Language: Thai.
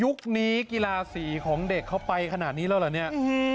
นี้กีฬาสีของเด็กเขาไปขนาดนี้แล้วเหรอเนี่ย